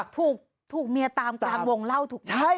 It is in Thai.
ถูกเมียตามตามงอโล่ถูกไหม